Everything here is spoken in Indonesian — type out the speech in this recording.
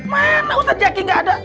mana ustadz jaki gak ada